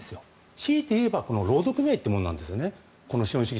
しいて言えば労働組合というものなんです資本主義